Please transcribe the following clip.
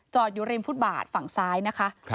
อยู่ริมฟุตบาทฝั่งซ้ายนะคะ